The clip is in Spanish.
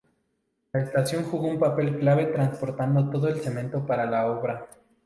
La estación jugó un papel clave transportando todo el cemento para la obra.